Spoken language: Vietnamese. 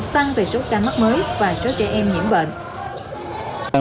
tăng về số ca mắc mới và số trẻ em nhiễm bệnh